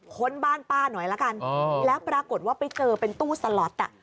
ค้นบ้านป้าหน่อยละกันแล้วปรากฏว่าไปเจอเป็นตู้สล็อต